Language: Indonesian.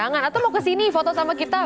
jangan atau mau kesini foto sama kita